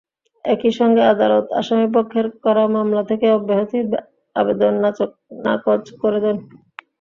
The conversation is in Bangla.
একই সঙ্গে আদালত আসামিপক্ষের করা মামলা থেকে অব্যাহতির আবেদন নাকচ করে দেন।